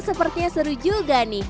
sepertinya seru juga nih